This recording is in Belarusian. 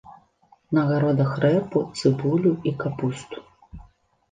На гародах рэпу, цыбулю і капусту.